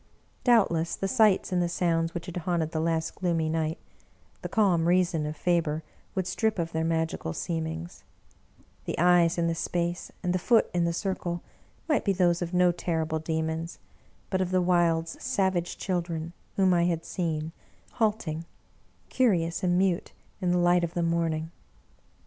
Doubtless the sights and the sounds which had haunted the last gloomy night, the calm reason of Faber would strip of their magical seemings ; the Eyes in the space and the Foot in the circle might be those of no terrible Demons, but of the wild's savage children whom I had seen, halting, curi ous and mute, in the light of the morning.